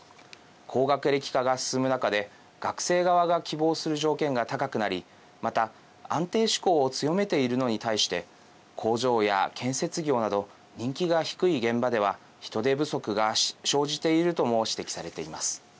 高学歴化が進む中で学生側が希望する条件が高くなりまた、安定志向を強めているのに対して工場や建設業など人気が低い現場では人手不足が生じているとも指摘されています。